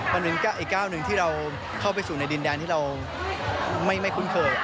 อันหนึ่งอีกก้าวหนึ่งที่เราเข้าไปสู่ในดินแดนที่เราไม่คุ้นเคย